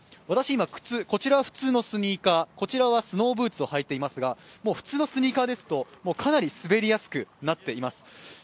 私、靴、今は普通のスニーカー、こちらはスノーブーツをはいていますが、普通のスニーカーですと、かなり滑りやすくなっています。